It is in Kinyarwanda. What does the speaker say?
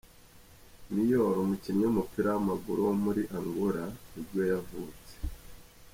Miloy, umukinnyi w’umupira w’amaguru wo muri Angola ni bwo yavutse.